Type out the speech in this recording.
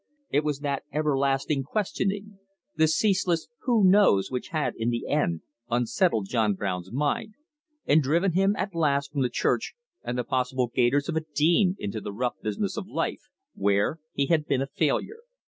It was that everlasting questioning, the ceaseless who knows! which had in the end unsettled John Brown's mind, and driven him at last from the church and the possible gaiters of a dean into the rough business of life, where he had been a failure.